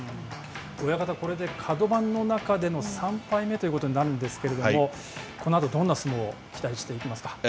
親方、これで角番の中での３敗目ということになるんですけれども、このあと、どんな相撲を期待していきますか。